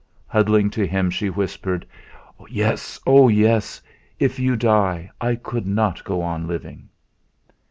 Huddling to him she whispered: "Yes, oh, yes! If you die, I could not go on living."